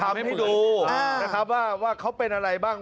ทำให้ดูนะครับว่าเขาเป็นอะไรบ้าง